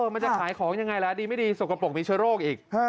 มันจะขายของยังไงล่ะดีไม่ดีสกปรกมีเชื้อโรคอีก